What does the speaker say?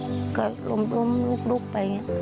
ป้าก็ทำของคุณป้าได้ยังไงสู้ชีวิตขนาดไหนติดตามกัน